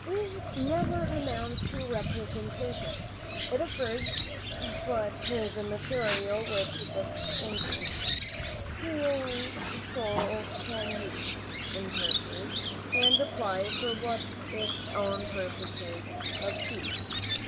It never amounts to representation. It affords but the material which the thinking, feeling soul can use, interpret, and apply for its own purposes of speech.